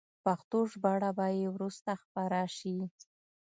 پښتو ژباړه به یې وروسته خپره شي.